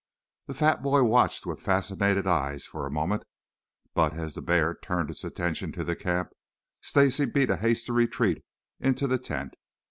The fat boy watched with fascinated eyes for a moment. But, as the bear turned its attention to the camp, Stacy beat a hasty retreat into the tent.